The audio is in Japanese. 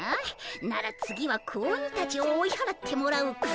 なら次は子鬼たちを追いはらってもらおうか？